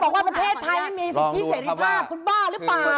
ประเภทไทยไม่มีสิ่งที่เสร็จสถาบกลุ่นบ้าหรือเปล่า